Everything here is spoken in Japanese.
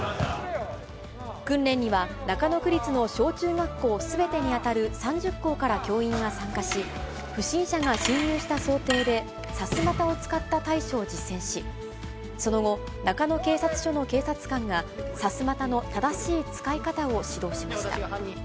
訓練には、中野区立の小中学校すべてに当たる３０校から教員が参加し、不審者が侵入した想定でさすまたを使った対処を実践し、その後、中野警察署の警察官がさすまたの正しい使い方を指導しました。